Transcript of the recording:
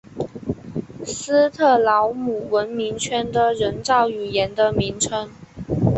斯特劳姆文明圈的人造语言的名称。